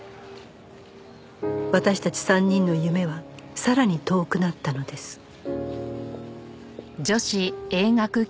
私たち３人の夢はさらに遠くなったのです